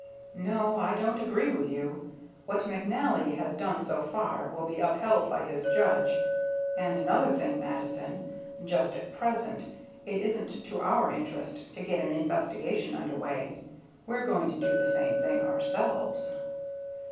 "No, I don't agree with you. What McNally has done so far will be upheld by his judge. And another thing, Mattison; just at present, it isn't to our interest to get an investigation under way. We're going to do the same thing ourselves."